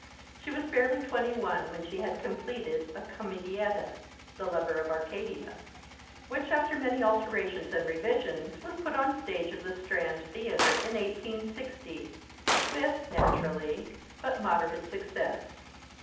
She was barely twenty one when she had completed a comedietta, 'The Lover of Arcadia,' which, after many alterations and revisions, was put on the stage of the Strand Theatre in 1860, with naturally but moderate success.